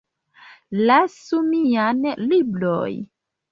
Lasu mian libron